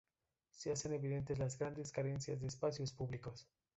Se hacen evidentes las grandes carencias de espacios públicos.